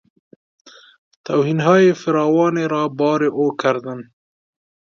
توهینهای فراوانی را بار او کردند.